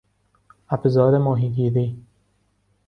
ابزار ماهی گیری